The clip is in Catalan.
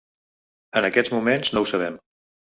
En aquests moments no ho sabem.